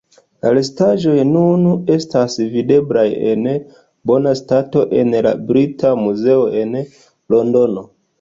La restaĵoj nun estas videblaj en bona stato en la Brita Muzeo en Londono.